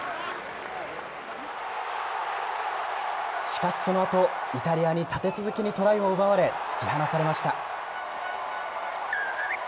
しかしそのあと、イタリアに立て続けにトライを奪われ、突き放されました。